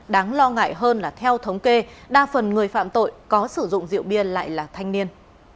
đáng lo ngại hơn là theo thống kê đa phần người phạm tội có sử dụng rượu bia lại là thanh niên